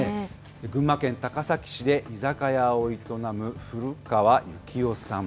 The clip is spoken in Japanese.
群馬県高崎市で居酒屋を営む古川行男さん。